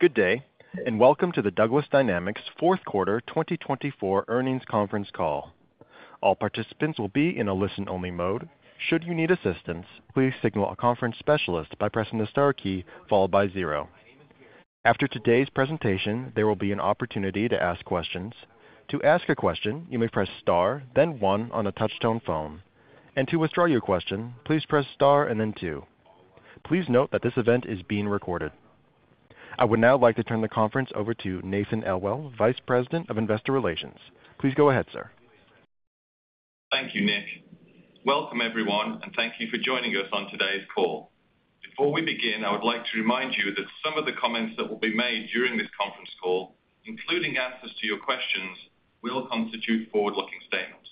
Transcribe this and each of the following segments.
Good day, and welcome to the Douglas Dynamics fourth quarter 2024 earnings conference call. All participants will be in a listen-only mode. Should you need assistance, please signal a conference specialist by pressing the star key followed by zero. After today's presentation, there will be an opportunity to ask questions. To ask a question, you may press star, then one on a touch-tone phone. And to withdraw your question, please press star and then two. Please note that this event is being recorded. I would now like to turn the conference over to Nathan Elwell, Vice President of Investor Relations. Please go ahead, sir. Thank you, Nick. Welcome, everyone, and thank you for joining us on today's call. Before we begin, I would like to remind you that some of the comments that will be made during this conference call, including answers to your questions, will constitute forward-looking statements.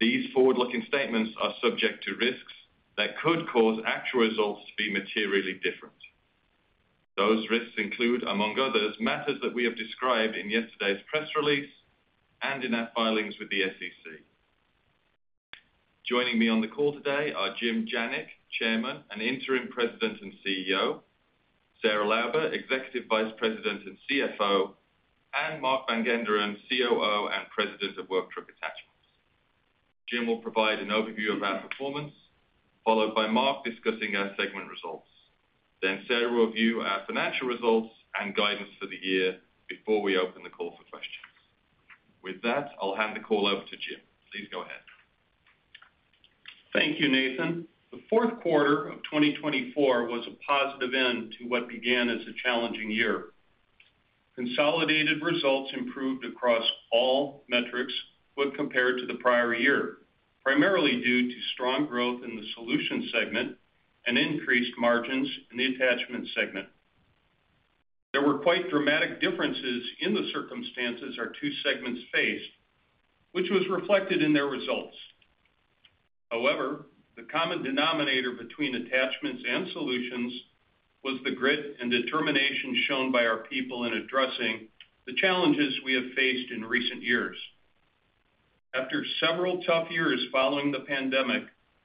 These forward-looking statements are subject to risks that could cause actual results to be materially different. Those risks include, among others, matters that we have described in yesterday's press release and in our filings with the SEC. Joining me on the call today are Jim Janik, Chairman and Interim President and CEO, Sarah Lauber, Executive Vice President and CFO, and Mark Van Genderen, COO and President of Work Truck Attachments. Jim will provide an overview of our performance, followed by Mark discussing our segment results. Then Sarah will review our financial results and guidance for the year before we open the call for questions. With that, I'll hand the call over to Jim. Please go ahead. Thank you, Nathan. The fourth quarter of 2024 was a positive end to what began as a challenging year. Consolidated results improved across all metrics when compared to the prior year, primarily due to strong growth in the solution segment and increased margins in the attachment segment. There were quite dramatic differences in the circumstances our two segments faced, which was reflected in their results. However, the common denominator between attachments and solutions was the grit and determination shown by our people in addressing the challenges we have faced in recent years. After several tough years following the pandemic,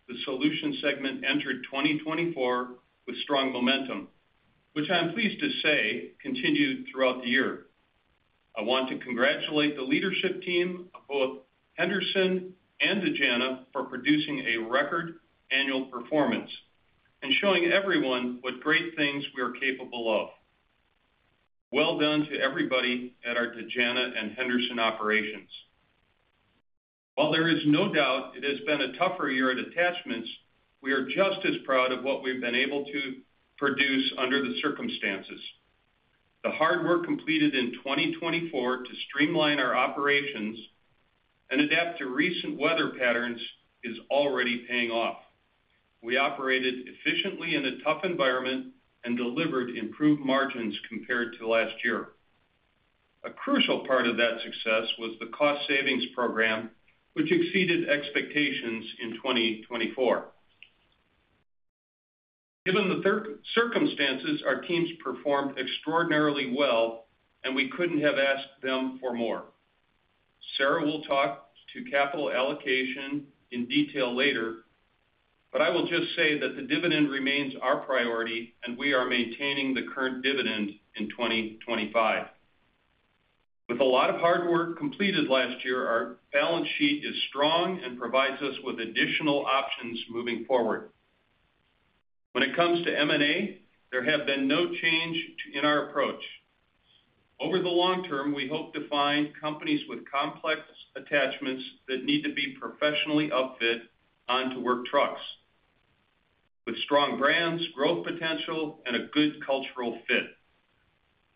the solution segment entered 2024 with strong momentum, which I'm pleased to say continued throughout the year. I want to congratulate the leadership team of both Henderson and Dejana for producing a record annual performance and showing everyone what great things we are capable of. Well done to everybody at our Dejana and Henderson operations. While there is no doubt it has been a tougher year at attachments, we are just as proud of what we've been able to produce under the circumstances. The hard work completed in 2024 to streamline our operations and adapt to recent weather patterns is already paying off. We operated efficiently in a tough environment and delivered improved margins compared to last year. A crucial part of that success was the cost savings program, which exceeded expectations in 2024. Given the circumstances, our teams performed extraordinarily well, and we couldn't have asked them for more. Sarah will talk to capital allocation in detail later, but I will just say that the dividend remains our priority, and we are maintaining the current dividend in 2025. With a lot of hard work completed last year, our balance sheet is strong and provides us with additional options moving forward. When it comes to M&A, there have been no changes in our approach. Over the long term, we hope to find companies with complex attachments that need to be professionally upfit onto work trucks, with strong brands, growth potential, and a good cultural fit.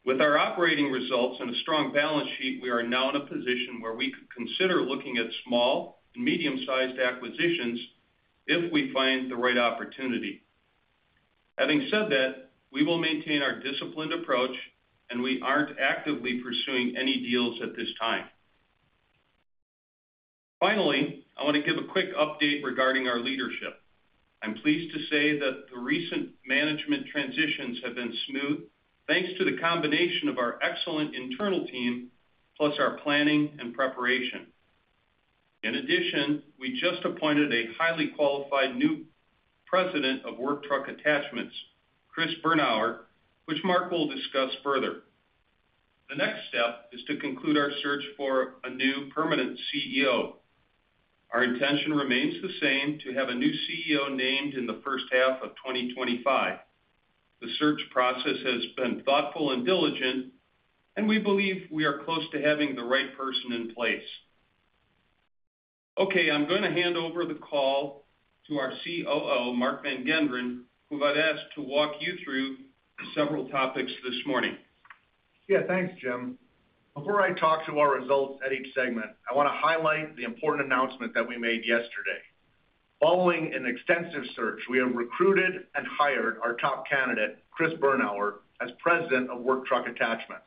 With our operating results and a strong balance sheet, we are now in a position where we could consider looking at small and medium-sized acquisitions if we find the right opportunity. Having said that, we will maintain our disciplined approach, and we aren't actively pursuing any deals at this time. Finally, I want to give a quick update regarding our leadership. I'm pleased to say that the recent management transitions have been smooth, thanks to the combination of our excellent internal team, plus our planning and preparation. In addition, we just appointed a highly qualified new President of Work Truck Attachments, Chris Bernauer, which Mark will discuss further. The next step is to conclude our search for a new permanent CEO. Our intention remains the same: to have a new CEO named in the first half of 2025. The search process has been thoughtful and diligent, and we believe we are close to having the right person in place. Okay, I'm going to hand over the call to our COO, Mark Van Genderen, who I've asked to walk you through several topics this morning. Yeah, thanks, Jim. Before I talk to our results at each segment, I want to highlight the important announcement that we made yesterday. Following an extensive search, we have recruited and hired our top candidate, Chris Bernauer, as President of Work Truck Attachments.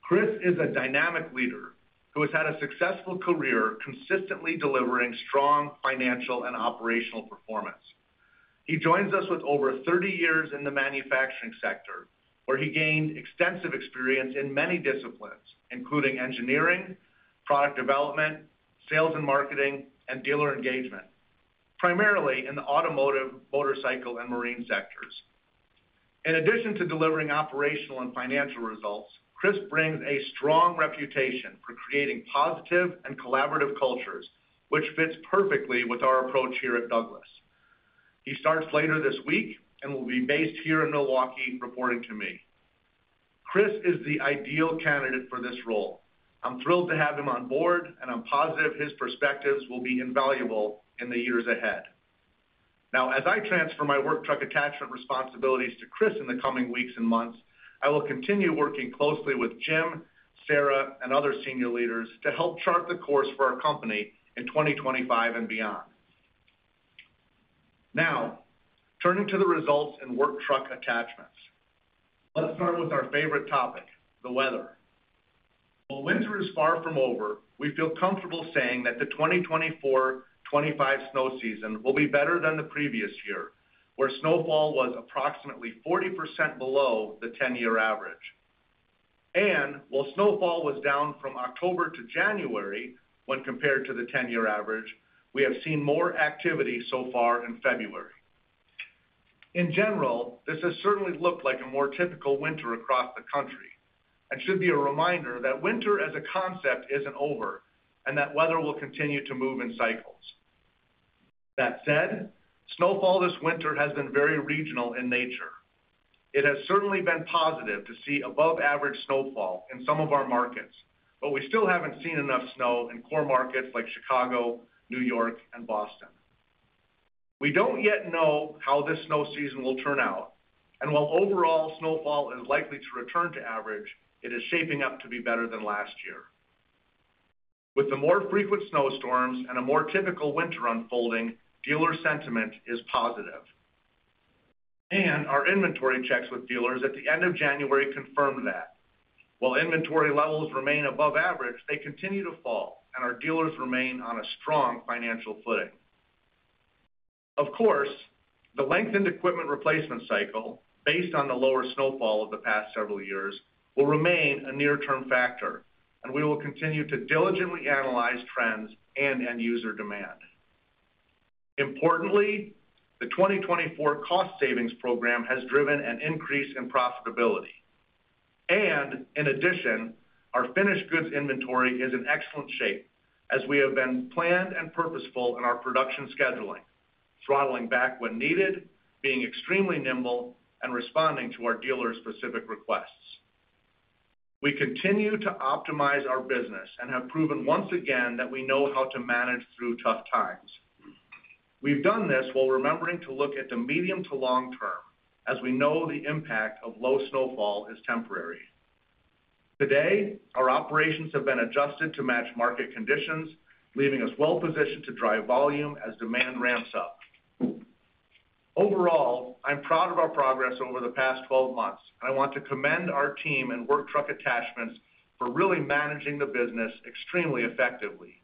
Chris is a dynamic leader who has had a successful career consistently delivering strong financial and operational performance. He joins us with over 30 years in the manufacturing sector, where he gained extensive experience in many disciplines, including engineering, product development, sales and marketing, and dealer engagement, primarily in the automotive, motorcycle, and marine sectors. In addition to delivering operational and financial results, Chris brings a strong reputation for creating positive and collaborative cultures, which fits perfectly with our approach here at Douglas. He starts later this week and will be based here in Milwaukee reporting to me. Chris is the ideal candidate for this role. I'm thrilled to have him on board, and I'm positive his perspectives will be invaluable in the years ahead. Now, as I transfer my Work Truck Attachments responsibilities to Chris in the coming weeks and months, I will continue working closely with Jim, Sarah, and other senior leaders to help chart the course for our company in 2025 and beyond. Now, turning to the results in Work Truck Attachments, let's start with our favorite topic, the weather. While winter is far from over, we feel comfortable saying that the 2024-25 snow season will be better than the previous year, where snowfall was approximately 40% below the 10-year average. And while snowfall was down from October to January when compared to the 10-year average, we have seen more activity so far in February. In general, this has certainly looked like a more typical winter across the country and should be a reminder that winter as a concept isn't over and that weather will continue to move in cycles. That said, snowfall this winter has been very regional in nature. It has certainly been positive to see above-average snowfall in some of our markets, but we still haven't seen enough snow in core markets like Chicago, New York, and Boston. We don't yet know how this snow season will turn out, and while overall snowfall is likely to return to average, it is shaping up to be better than last year. With the more frequent snowstorms and a more typical winter unfolding, dealer sentiment is positive, and our inventory checks with dealers at the end of January confirmed that. While inventory levels remain above average, they continue to fall, and our dealers remain on a strong financial footing. Of course, the lengthened equipment replacement cycle, based on the lower snowfall of the past several years, will remain a near-term factor, and we will continue to diligently analyze trends and end-user demand. Importantly, the 2024 Cost Savings Program has driven an increase in profitability, and in addition, our finished goods inventory is in excellent shape, as we have been planned and purposeful in our production scheduling, throttling back when needed, being extremely nimble, and responding to our dealer-specific requests. We continue to optimize our business and have proven once again that we know how to manage through tough times. We've done this while remembering to look at the medium to long term, as we know the impact of low snowfall is temporary. Today, our operations have been adjusted to match market conditions, leaving us well-positioned to drive volume as demand ramps up. Overall, I'm proud of our progress over the past 12 months, and I want to commend our team and Work Truck Attachments for really managing the business extremely effectively.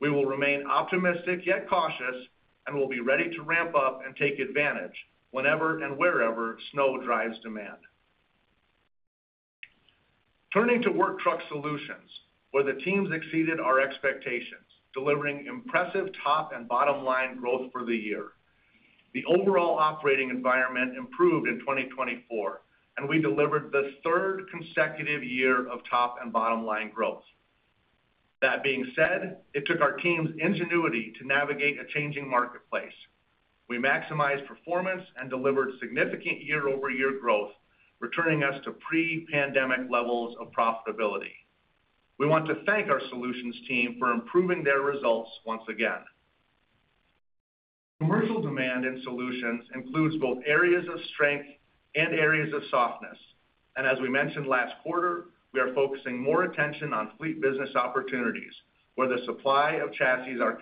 We will remain optimistic yet cautious and will be ready to ramp up and take advantage whenever and wherever snow drives demand. Turning to Work Truck Solutions, where the teams exceeded our expectations, delivering impressive top and bottom-line growth for the year. The overall operating environment improved in 2024, and we delivered the third consecutive year of top and bottom-line growth. That being said, it took our team's ingenuity to navigate a changing marketplace. We maximized performance and delivered significant year-over-year growth, returning us to pre-pandemic levels of profitability. We want to thank our solutions team for improving their results once again. Commercial demand in solutions includes both areas of strength and areas of softness. And as we mentioned last quarter, we are focusing more attention on fleet business opportunities, where the supply of chassis are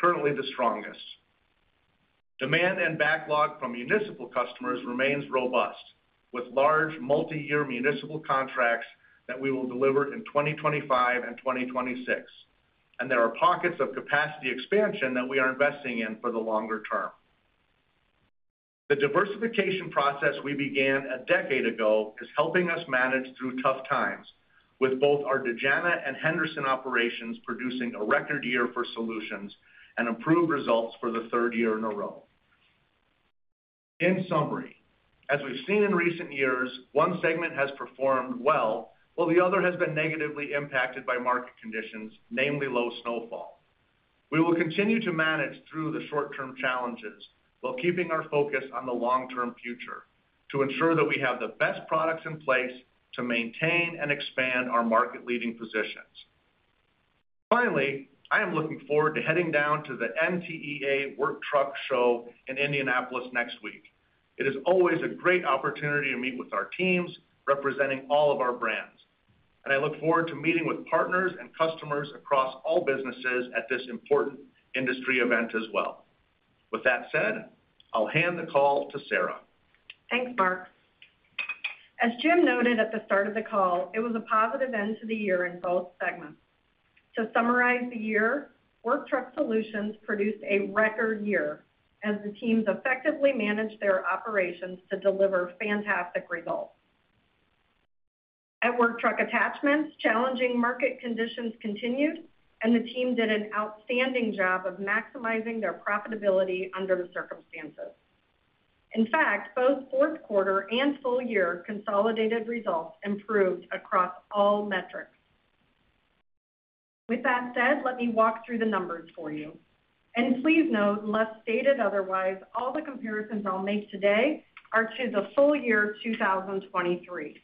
currently the strongest. Demand and backlog from municipal customers remains robust, with large multi-year municipal contracts that we will deliver in 2025 and 2026. And there are pockets of capacity expansion that we are investing in for the longer term. The diversification process we began a decade ago is helping us manage through tough times, with both our Dejana and Henderson operations producing a record year for solutions and improved results for the third year in a row. In summary, as we've seen in recent years, one segment has performed well, while the other has been negatively impacted by market conditions, namely low snowfall. We will continue to manage through the short-term challenges while keeping our focus on the long-term future to ensure that we have the best products in place to maintain and expand our market-leading positions. Finally, I am looking forward to heading down to the NTEA Work Truck Show in Indianapolis next week. It is always a great opportunity to meet with our teams representing all of our brands, and I look forward to meeting with partners and customers across all businesses at this important industry event as well. With that said, I'll hand the call to Sarah. Thanks, Mark. As Jim noted at the start of the call, it was a positive end to the year in both segments. To summarize the year, Work Truck Solutions produced a record year as the teams effectively managed their operations to deliver fantastic results. At Work Truck Attachments, challenging market conditions continued, and the team did an outstanding job of maximizing their profitability under the circumstances. In fact, both fourth quarter and full-year consolidated results improved across all metrics. With that said, let me walk through the numbers for you. And please note, unless stated otherwise, all the comparisons I'll make today are to the full year 2023.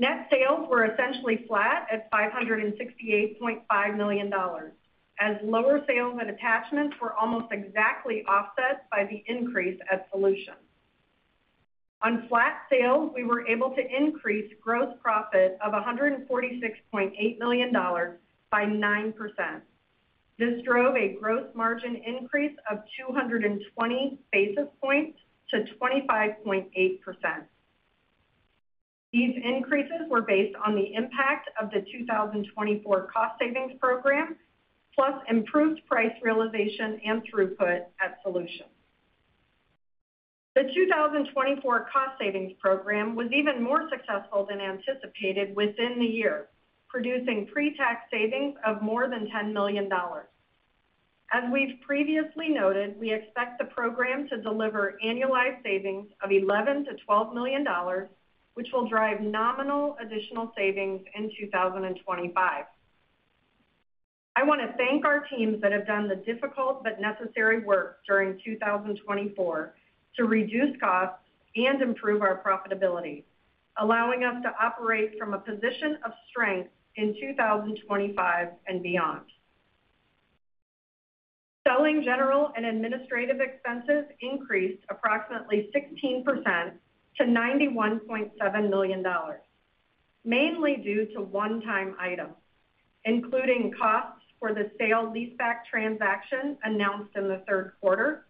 Net sales were essentially flat at $568.5 million, as lower sales at attachments were almost exactly offset by the increase at solutions. On flat sales, we were able to increase gross profit of $146.8 million by 9%. This drove a gross margin increase of 220 basis points to 25.8%. These increases were based on the impact of the 2024 cost savings program, plus improved price realization and throughput at solutions. The 2024 cost savings program was even more successful than anticipated within the year, producing pre-tax savings of more than $10 million. As we've previously noted, we expect the program to deliver annualized savings of $11-$12 million, which will drive nominal additional savings in 2025. I want to thank our teams that have done the difficult but necessary work during 2024 to reduce costs and improve our profitability, allowing us to operate from a position of strength in 2025 and beyond. Selling, general, and administrative expenses increased approximately 16% to $91.7 million, mainly due to one-time items, including costs for the sale-leaseback transaction announced in the third quarter,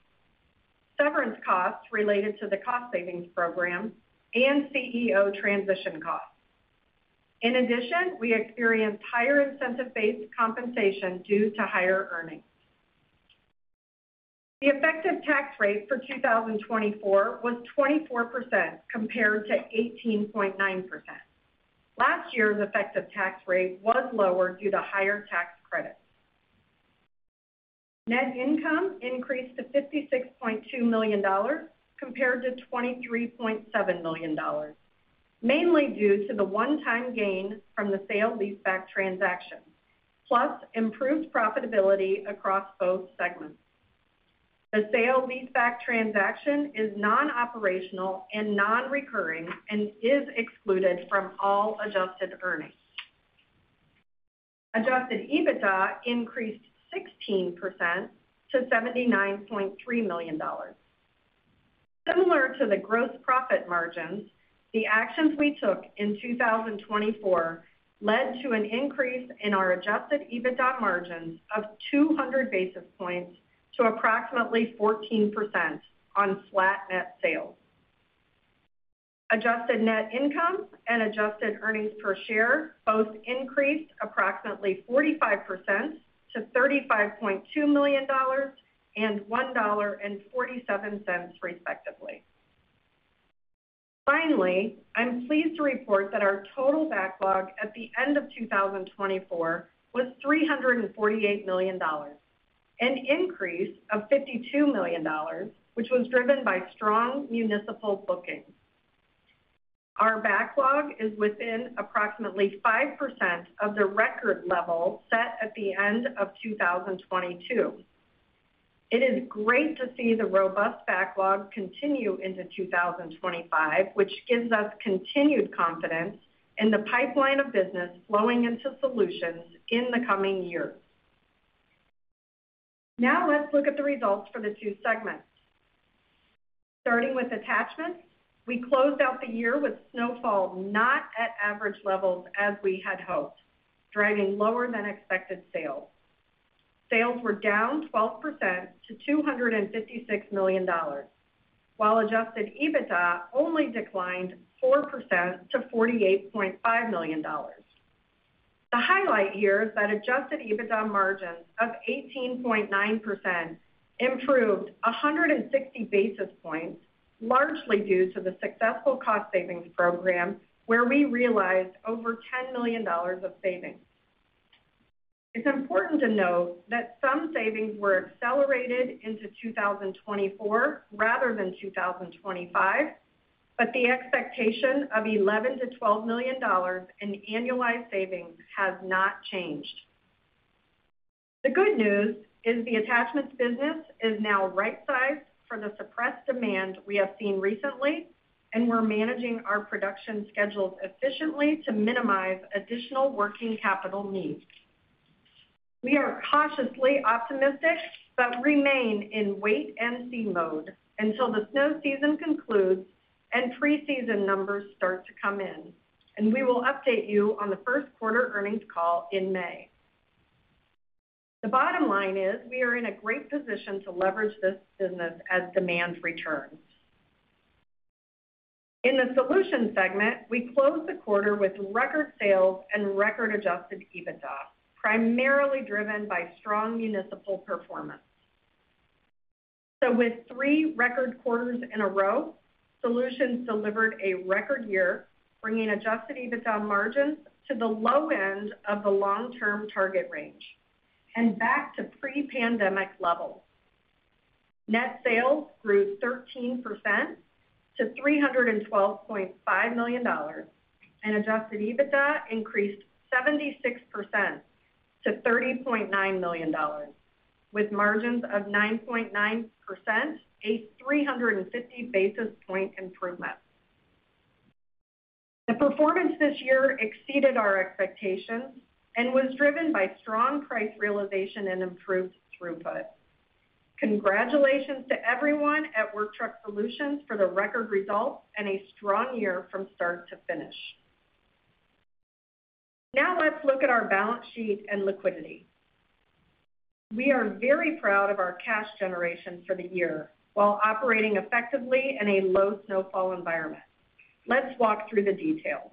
severance costs related to the cost savings program, and CEO transition costs. In addition, we experienced higher incentive-based compensation due to higher earnings. The effective tax rate for 2024 was 24% compared to 18.9%. Last year's effective tax rate was lower due to higher tax credits. Net income increased to $56.2 million compared to $23.7 million, mainly due to the one-time gain from the sale-leaseback transaction, plus improved profitability across both segments. The sale-leaseback transaction is non-operational and non-recurring and is excluded from all adjusted earnings. Adjusted EBITDA increased 16% to $79.3 million. Similar to the gross profit margins, the actions we took in 2024 led to an increase in our Adjusted EBITDA margins of 200 basis points to approximately 14% on flat net sales. Adjusted net income and adjusted earnings per share both increased approximately 45% to $35.2 million and $1.47 respectively. Finally, I'm pleased to report that our total backlog at the end of 2024 was $348 million, an increase of $52 million, which was driven by strong municipal bookings. Our backlog is within approximately 5% of the record level set at the end of 2022. It is great to see the robust backlog continue into 2025, which gives us continued confidence in the pipeline of business flowing into solutions in the coming years. Now, let's look at the results for the two segments. Starting with attachments, we closed out the year with snowfall not at average levels as we had hoped, driving lower-than-expected sales. Sales were down 12% to $256 million, while adjusted EBITDA only declined 4% to $48.5 million. The highlight here is that adjusted EBITDA margins of 18.9% improved 160 basis points, largely due to the successful cost savings program, where we realized over $10 million of savings. It's important to note that some savings were accelerated into 2024 rather than 2025, but the expectation of $11-$12 million in annualized savings has not changed. The good news is the attachments business is now right-sized for the suppressed demand we have seen recently, and we're managing our production schedules efficiently to minimize additional working capital needs. We are cautiously optimistic but remain in wait-and-see mode until the snow season concludes and pre-season numbers start to come in, and we will update you on the first quarter earnings call in May. The bottom line is we are in a great position to leverage this business as demand returns. In the solution segment, we closed the quarter with record sales and record adjusted EBITDA, primarily driven by strong municipal performance. So, with three record quarters in a row, solutions delivered a record year, bringing adjusted EBITDA margins to the low end of the long-term target range and back to pre-pandemic levels. Net sales grew 13% to $312.5 million, and adjusted EBITDA increased 76% to $30.9 million, with margins of 9.9%, a 350 basis point improvement. The performance this year exceeded our expectations and was driven by strong price realization and improved throughput. Congratulations to everyone at Work Truck Solutions for the record results and a strong year from start to finish. Now, let's look at our balance sheet and liquidity. We are very proud of our cash generation for the year while operating effectively in a low snowfall environment. Let's walk through the details.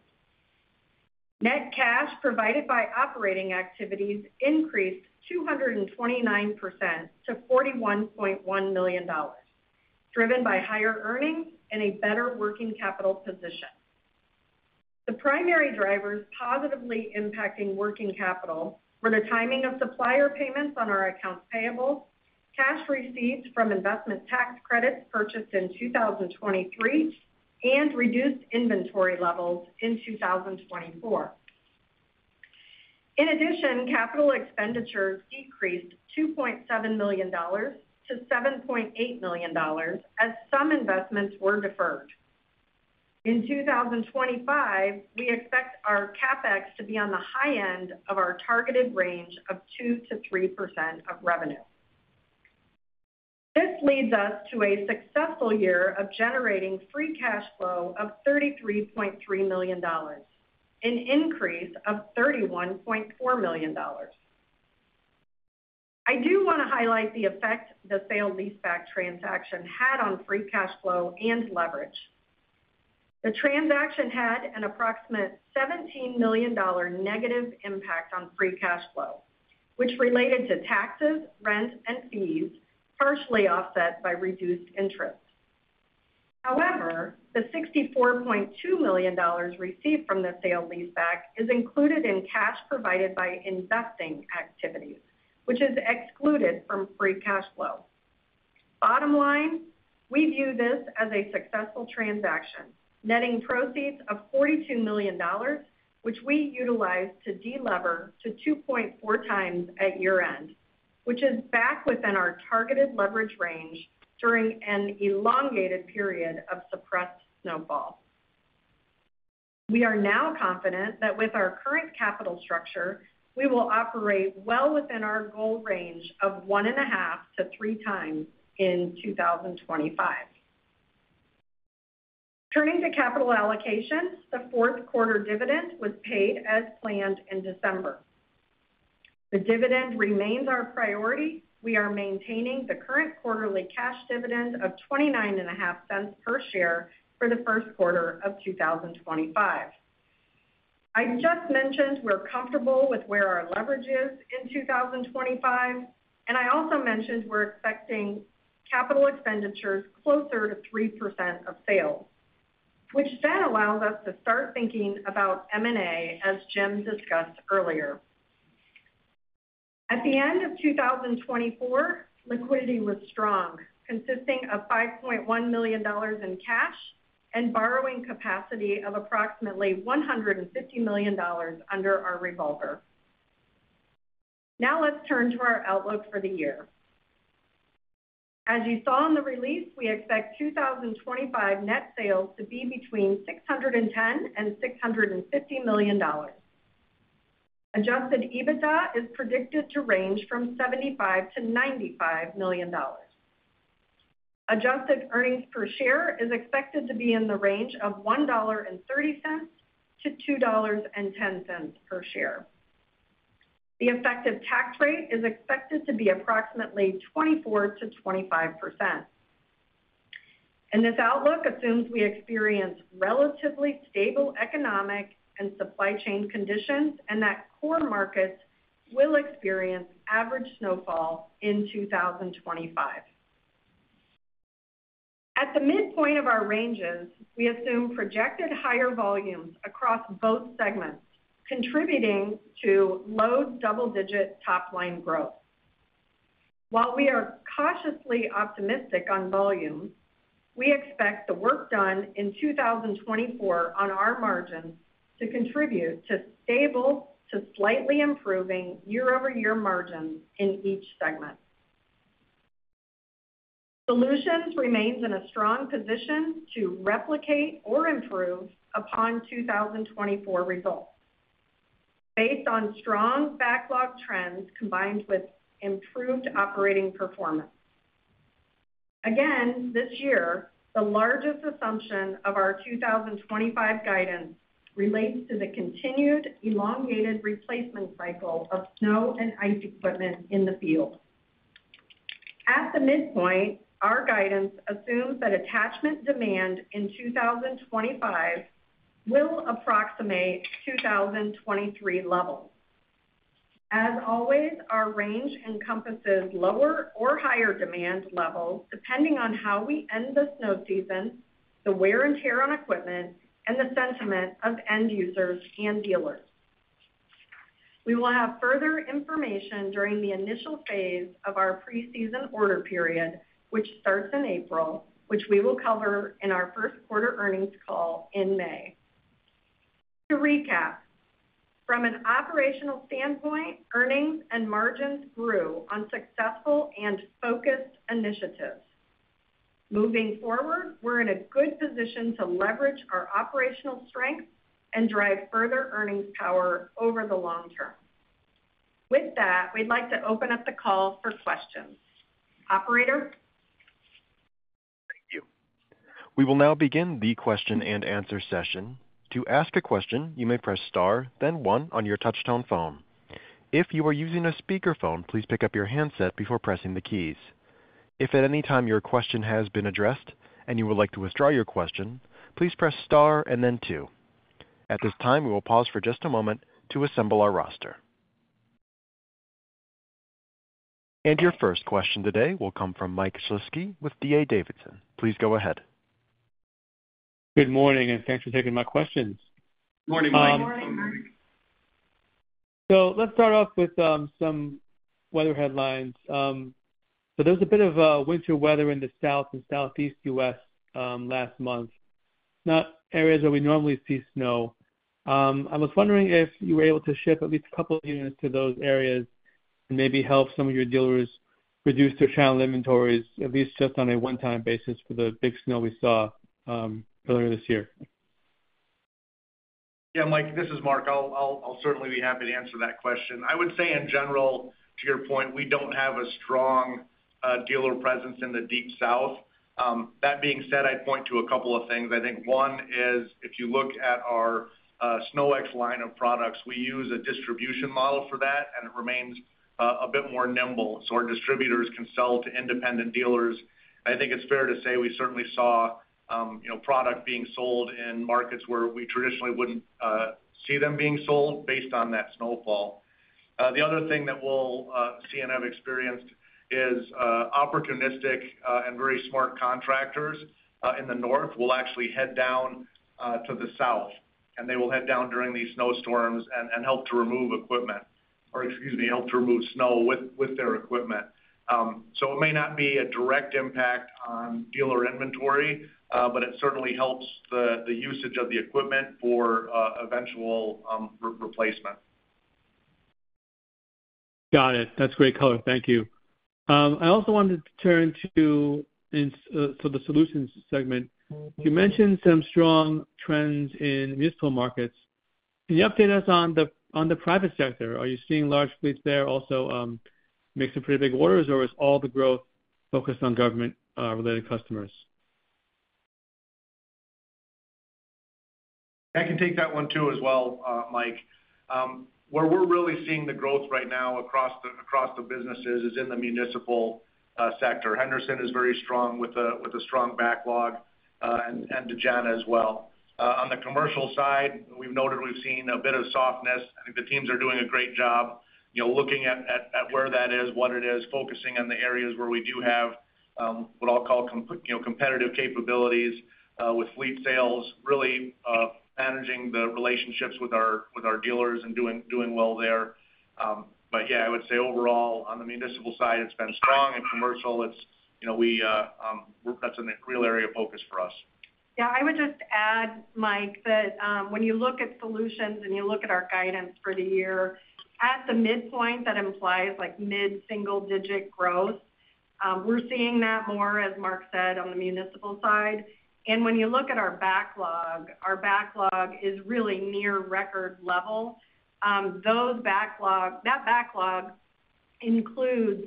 Net cash provided by operating activities increased 229% to $41.1 million, driven by higher earnings and a better working capital position. The primary drivers positively impacting working capital were the timing of supplier payments on our accounts payable, cash receipts from investment tax credits purchased in 2023, and reduced inventory levels in 2024. In addition, capital expenditures decreased $2.7 million to $7.8 million as some investments were deferred. In 2025, we expect our CapEx to be on the high end of our targeted range of 2%-3% of revenue. This leads us to a successful year of generating free cash flow of $33.3 million, an increase of $31.4 million. I do want to highlight the effect the sale-leaseback transaction had on free cash flow and leverage. The transaction had an approximate $17 million negative impact on free cash flow, which related to taxes, rent, and fees, partially offset by reduced interest. However, the $64.2 million received from the sale-leaseback is included in cash provided by investing activities, which is excluded from free cash flow. Bottom line, we view this as a successful transaction, netting proceeds of $42 million, which we utilized to delever to 2.4 times at year-end, which is back within our targeted leverage range during an elongated period of suppressed snowfall. We are now confident that with our current capital structure, we will operate well within our goal range of one and a half to three times in 2025. Turning to capital allocations, the fourth quarter dividend was paid as planned in December. The dividend remains our priority. We are maintaining the current quarterly cash dividend of $0.29 per share for the first quarter of 2025. I just mentioned we're comfortable with where our leverage is in 2025, and I also mentioned we're expecting capital expenditures closer to 3% of sales, which then allows us to start thinking about M&A, as Jim discussed earlier. At the end of 2024, liquidity was strong, consisting of $5.1 million in cash and borrowing capacity of approximately $150 million under our revolver. Now, let's turn to our outlook for the year. As you saw in the release, we expect 2025 net sales to be between $610 and $650 million. Adjusted EBITDA is predicted to range from $75-$95 million. Adjusted earnings per share is expected to be in the range of $1.30-$2.10 per share. The effective tax rate is expected to be approximately 24%-25%, and this outlook assumes we experience relatively stable economic and supply chain conditions and that core markets will experience average snowfall in 2025. At the midpoint of our ranges, we assume projected higher volumes across both segments, contributing to low double-digit top-line growth. While we are cautiously optimistic on volumes, we expect the work done in 2024 on our margins to contribute to stable to slightly improving year-over-year margins in each segment. Solutions remains in a strong position to replicate or improve upon 2024 results, based on strong backlog trends combined with improved operating performance. Again, this year, the largest assumption of our 2025 guidance relates to the continued elongated replacement cycle of snow and ice equipment in the field. At the midpoint, our guidance assumes that attachment demand in 2025 will approximate 2023 levels. As always, our range encompasses lower or higher demand levels depending on how we end the snow season, the wear and tear on equipment, and the sentiment of end users and dealers. We will have further information during the initial phase of our pre-season order period, which starts in April, which we will cover in our first quarter earnings call in May. To recap, from an operational standpoint, earnings and margins grew on successful and focused initiatives. Moving forward, we're in a good position to leverage our operational strength and drive further earnings power over the long term. With that, we'd like to open up the call for questions. Operator? Thank you. We will now begin the question and answer session. To ask a question, you may press star, then one on your touch-tone phone. If you are using a speakerphone, please pick up your handset before pressing the keys. If at any time your question has been addressed and you would like to withdraw your question, please press star and then two. At this time, we will pause for just a moment to assemble our roster, and your first question today will come from Mike Shlisky with DA Davidson. Please go ahead. Good morning, and thanks for taking my questions. Good morning, Mike. Good morning, Mike. So let's start off with some weather headlines. So there's a bit of winter weather in the South and Southeast U.S. last month, not areas where we normally see snow. I was wondering if you were able to ship at least a couple of units to those areas and maybe help some of your dealers reduce their channel inventories, at least just on a one-time basis for the big snow we saw earlier this year. Yeah, Mike, this is Mark. I'll certainly be happy to answer that question. I would say, in general, to your point, we don't have a strong dealer presence in the Deep South. That being said, I'd point to a couple of things. I think one is if you look at our SnowEx line of products, we use a distribution model for that, and it remains a bit more nimble so our distributors can sell to independent dealers. I think it's fair to say we certainly saw product being sold in markets where we traditionally wouldn't see them being sold based on that snowfall. The other thing that we'll see and have experienced is opportunistic and very smart contractors in the north will actually head down to the south, and they will head down during these snowstorms and help to remove equipment or, excuse me, help to remove snow with their equipment. So it may not be a direct impact on dealer inventory, but it certainly helps the usage of the equipment for eventual replacement. Got it. That's great color. Thank you. I also wanted to turn to the solutions segment. You mentioned some strong trends in municipal markets. Can you update us on the private sector? Are you seeing large fleets there also making some pretty big orders, or is all the growth focused on government-related customers? I can take that one too as well, Mike. Where we're really seeing the growth right now across the businesses is in the municipal sector. Henderson is very strong with a strong backlog and Dejana as well. On the commercial side, we've noted we've seen a bit of softness. I think the teams are doing a great job looking at where that is, what it is, focusing on the areas where we do have what I'll call competitive capabilities with fleet sales, really managing the relationships with our dealers and doing well there. But yeah, I would say overall, on the municipal side, it's been strong. In commercial, that's a real area of focus for us. Yeah, I would just add, Mike, that when you look at solutions and you look at our guidance for the year, at the midpoint, that implies mid-single-digit growth. We're seeing that more, as Mark said, on the municipal side, and when you look at our backlog, our backlog is really near record level. That backlog includes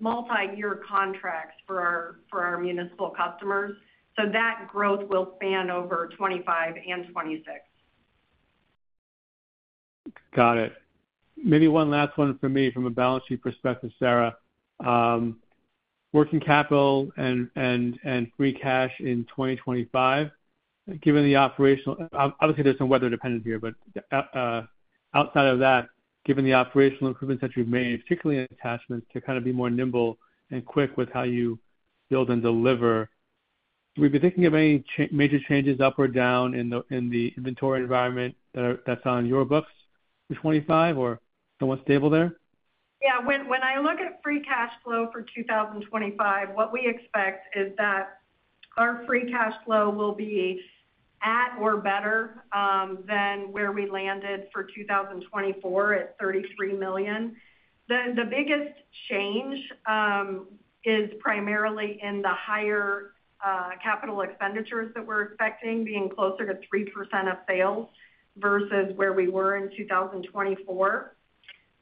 multi-year contracts for our municipal customers, so that growth will span over 2025 and 2026. Got it. Maybe one last one for me from a balance sheet perspective, Sarah. Working capital and free cash in 2025, given the operational, obviously, there's some weather dependence here, but outside of that, given the operational improvements that you've made, particularly in attachments, to kind of be more nimble and quick with how you build and deliver, we've been thinking of any major changes up or down in the inventory environment that's on your books for 2025, or somewhat stable there? Yeah. When I look at free cash flow for 2025, what we expect is that our free cash flow will be at or better than where we landed for 2024 at $33 million. The biggest change is primarily in the higher capital expenditures that we're expecting, being closer to 3% of sales versus where we were in 2024.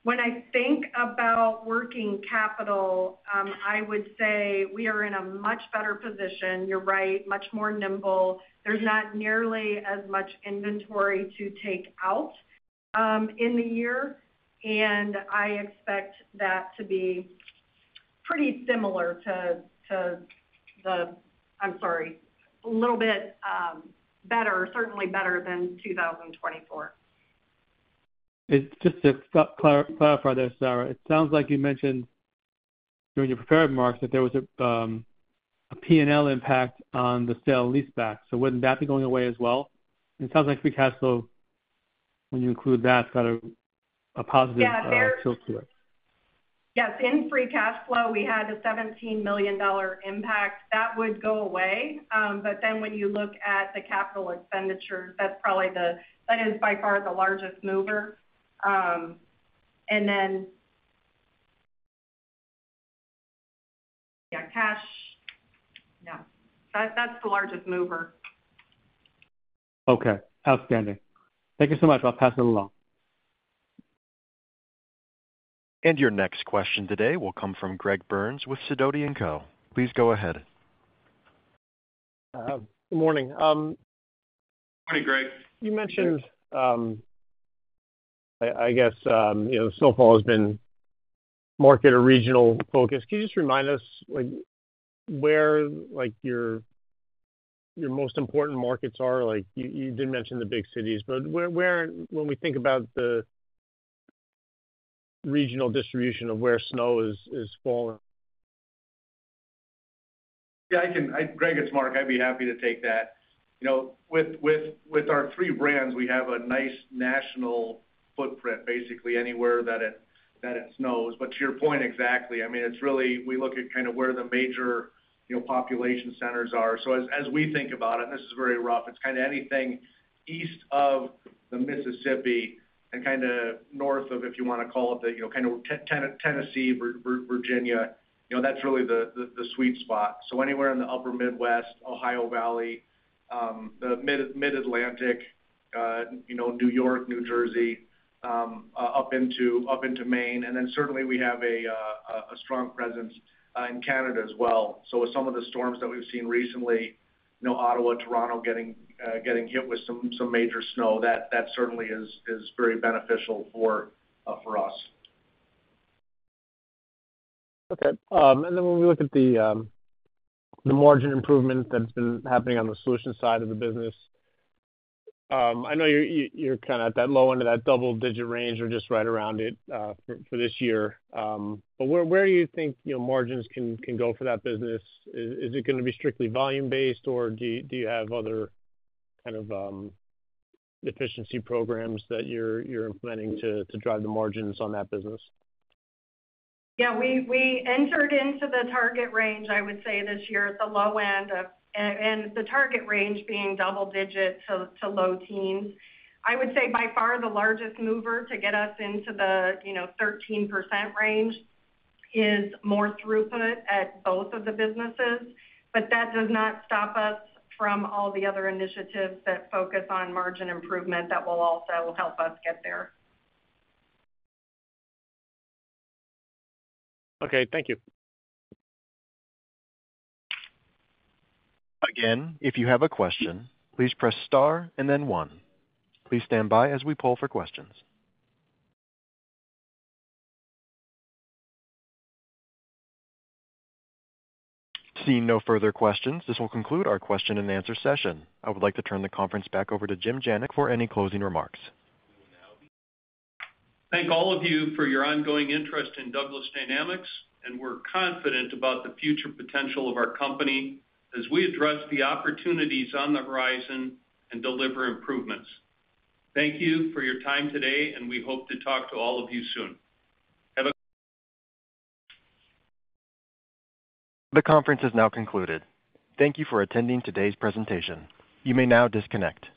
When I think about working capital, I would say we are in a much better position. You're right, much more nimble. There's not nearly as much inventory to take out in the year, and I expect that to be pretty similar to, I'm sorry, a little bit better, certainly better than 2024. Just to clarify there, Sarah, it sounds like you mentioned during your prepared remarks that there was a P&L impact on the sale-leaseback. So wouldn't that be going away as well? It sounds like free cash flow, when you include that, got a positive impact to it. Yes. In free cash flow, we had a $17 million impact. That would go away. But then when you look at the capital expenditures, that's probably, that is by far the largest mover. And then, yeah, cash, no. That's the largest mover. Okay. Outstanding. Thank you so much. I'll pass it along. And your next question today will come from Greg Burns with Sidoti & Company. Please go ahead. Good morning. Good morning, Greg. You mentioned, I guess, snowfall has been market or regional focus. Can you just remind us where your most important markets are? You did mention the big cities, but when we think about the regional distribution of where snow is falling? Yeah. Greg, it's Mark. I'd be happy to take that. With our three brands, we have a nice national footprint, basically, anywhere that it snows. But to your point, exactly, I mean, it's really, we look at kind of where the major population centers are. So as we think about it, and this is very rough, it's kind of anything east of the Mississippi and kind of north of, if you want to call it, kind of Tennessee, Virginia. That's really the sweet spot. So anywhere in the Upper Midwest, Ohio Valley, the Mid-Atlantic, New York, New Jersey, up into Maine. And then certainly, we have a strong presence in Canada as well. So with some of the storms that we've seen recently, Ottawa, Toronto getting hit with some major snow, that certainly is very beneficial for us. Okay. And then when we look at the margin improvement that's been happening on the solution side of the business, I know you're kind of at that low end of that double-digit range or just right around it for this year. But where do you think margins can go for that business? Is it going to be strictly volume-based, or do you have other kind of efficiency programs that you're implementing to drive the margins on that business? Yeah. We entered into the target range, I would say, this year at the low end of—and the target range being double-digit to low teens. I would say by far the largest mover to get us into the 13% range is more throughput at both of the businesses. But that does not stop us from all the other initiatives that focus on margin improvement that will also help us get there. Okay. Thank you. Again, if you have a question, please press star and then one. Please stand by as we poll for questions. Seeing no further questions, this will conclude our question and answer session. I would like to turn the conference back over to Jim Janik for any closing remarks. Thank all of you for your ongoing interest in Douglas Dynamics, and we're confident about the future potential of our company as we address the opportunities on the horizon and deliver improvements. Thank you for your time today, and we hope to talk to all of you soon. Have a. The conference is now concluded. Thank you for attending today's presentation. You may now disconnect.